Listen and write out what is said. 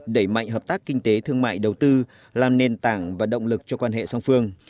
đẩy mạnh hợp tác kinh tế thương mại đầu tư làm nền tảng và động lực cho quan hệ song phương